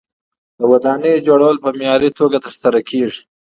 د ودانیو جوړول په معیاري توګه ترسره کیږي.